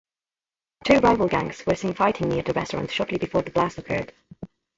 Two rival gangs were seen fighting near the restaurant shortly before the blast occurred.